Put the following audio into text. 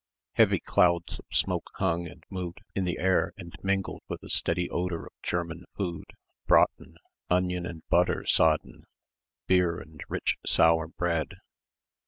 Heavy clouds of smoke hung and moved in the air and mingled with the steady odour of German food, braten, onion and butter sodden, beer and rich sour bread.